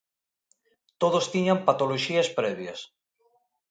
Todos tiñas patoloxías previas.